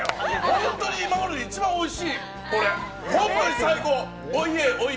本当に今までで一番おいしい。